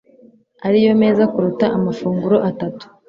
ariyo meza kuruta amafunguro atatu.